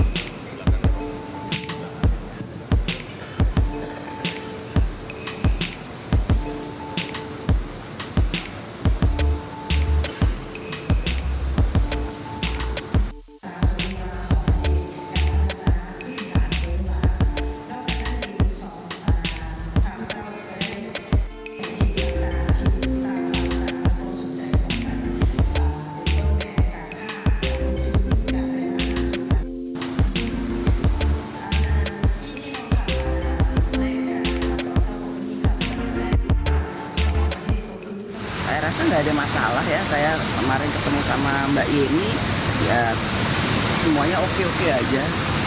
saya rasa tidak ada masalah ya saya kemarin ketemu sama mbak yeni semuanya oke oke saja